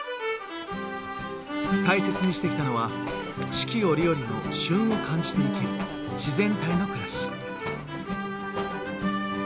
大切にしてきたのは四季折々の旬を感じて生きる自然体の暮らし。